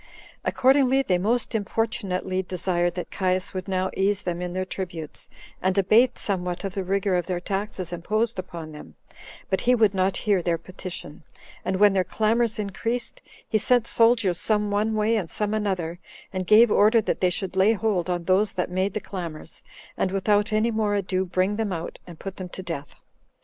Accordingly, they most importunately desired that Caius would now ease them in their tributes, and abate somewhat of the rigor of their taxes imposed upon them; but he would not hear their petition; and when their clamors increased, he sent soldiers some one way and some another, and gave order that they should lay hold on those that made the clamors, and without any more ado bring them out, and put them to death.